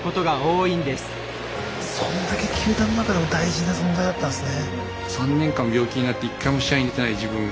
そんだけ球団の中でも大事な存在だったんですね。